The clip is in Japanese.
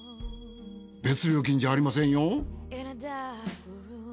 別料金じゃありませんよ。